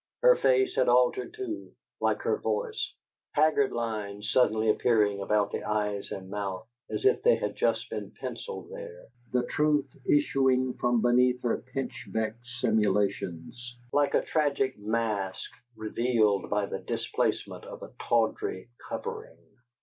Her face had altered too, like her voice, haggard lines suddenly appearing about the eyes and mouth as if they had just been pencilled there: the truth issuing from beneath her pinchbeck simulations, like a tragic mask revealed by the displacement of a tawdry covering.